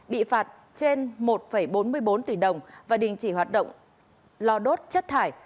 bị phạt trên một bốn mươi bốn tỷ đồng và đình chỉ hoạt động lo đốt chất thải